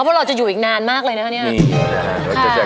เพราะเราจะอยู่อีกนานมากเลยนะครับเนี่ย